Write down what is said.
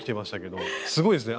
すごいですね。